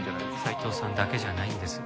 斉藤さんだけじゃないんです。